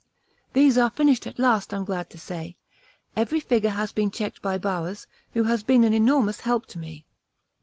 These are finished at last, I am glad to say; every figure has been checked by Bowers, who has been an enormous help to me.